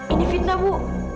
ini fitnah bu